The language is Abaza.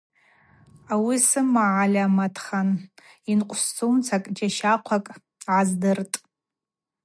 Ауи сымагӏальаматхан йынкъвсцауамцара джьащахъвакӏ гӏаздыртӏ.